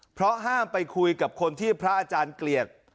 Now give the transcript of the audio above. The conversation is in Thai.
เพราะห้ามไปคุยกับคนที่พระอาจารย์เกลียด